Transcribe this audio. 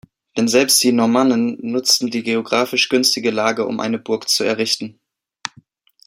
Denn selbst die Normannen nutzten die geografisch günstige Lage, um eine Burg zu errichten.